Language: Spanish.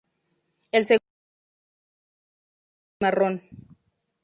El segundo plumaje juvenil es lanoso y marrón.